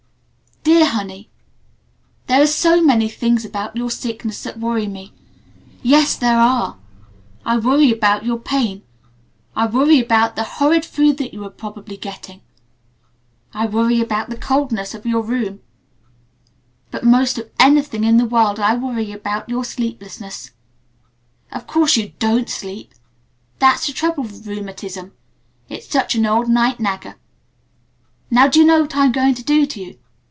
"DEAR HONEY: "There are so many things about your sickness that worry me. Yes there are! I worry about your pain. I worry about the horrid food that you're probably getting. I worry about the coldness of your room. But most of anything in the world I worry about your sleeplessness. Of course you don't sleep! That's the trouble with rheumatism. It's such an old Night Nagger. Now do you know what I'm going to do to you?